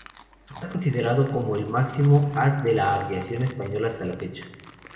Está considerado como el máximo as de la aviación española hasta la fecha.